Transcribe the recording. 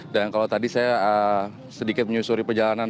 dan kalau tadi saya sedikit menyusuri pejalanan